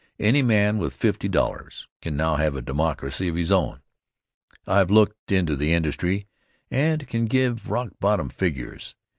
Any man with $50 can now have a "Democracy" of his own. I've looked into the industry, and can give rock bottom figures.